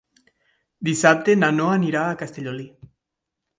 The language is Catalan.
Dissabte na Noa anirà a Castellolí.